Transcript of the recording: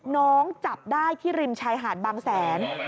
น้องจับได้ที่ริมชายหาธ์บางแสน